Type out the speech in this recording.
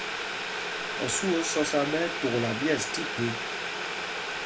Osû ó sɔ̄sā ɓɛ́ ɛ́ tukla ɓyɛ̂ɛs tí phe.